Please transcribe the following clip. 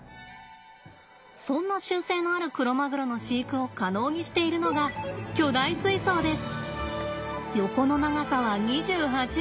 そんな習性のあるクロマグロの飼育を可能にしているのが巨大水槽です。